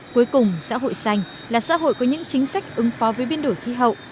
cuối cùng xã hội xanh là xã hội có những chính sách ứng phó với biến đổi khí hậu